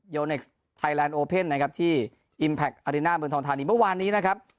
โยเน็กซ์ไทยแลนด์โอเพ่นนะครับที่อิมแพคอริน่าเมืองทองทานีเมื่อวานนี้นะครับ